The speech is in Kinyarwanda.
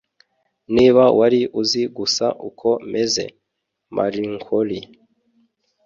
Niba wari uzi gusa uko meze. (Marloncori)